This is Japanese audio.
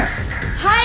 はい！